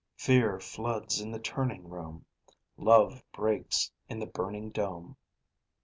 _ _Fear floods in the turning room; Love breaks in the burning dome.